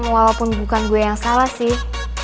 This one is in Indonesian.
walaupun bukan gue yang salah sih